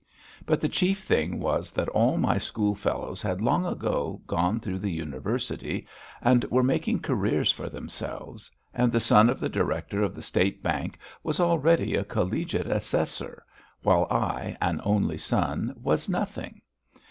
But the chief thing was that all my schoolfellows had long ago gone through the University and were making careers for themselves, and the son of the director of the State Bank was already a collegiate assessor, while I, an only son, was nothing!